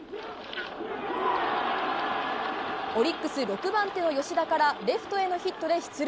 オリックス６番手の吉田からレフトへのヒットで出塁。